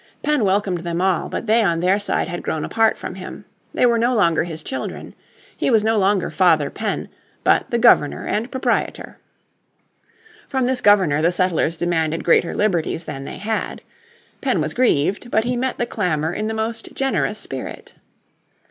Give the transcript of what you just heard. Penn welcomed them all, but they on their side had grown apart from him. They were no longer his children. He was no longer Father Penn, but the Governor and proprietor. From this Governor the settlers demanded greater liberties than they had. Penn was grieved, but he met the clamour in the most generous spirit.